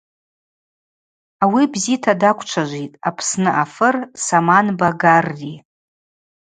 Ауи бзита даквчважвитӏ Апсны афыр Саманба Гарри.